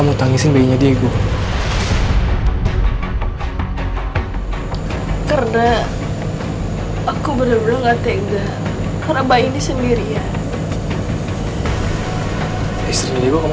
mungkin aja dia kabur